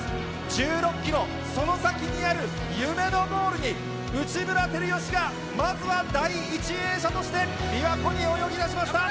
１６キロ、その先にある夢のゴールに、内村光良がまずは第１泳者としてびわ湖に泳ぎ出しました。